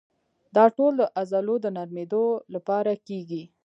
دا ټول د عضلو د نرمېدو لپاره کېږي.